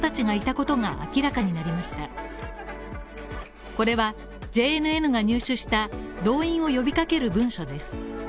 これはＪＮＮが入手した動員を呼び掛ける文書です。